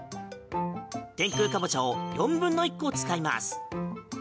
天空かぼちゃを４分の１個使います。